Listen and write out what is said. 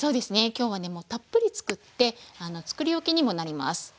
今日はねもうたっぷり作って作り置きにもなります。